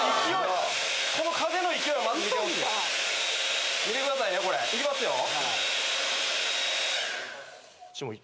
この風の勢いをまず見てほしい見てくださいねこれいきますよほら！